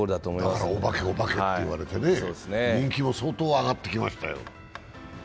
だから、お化け、お化けといわれて人気も相当上がってきましたよ。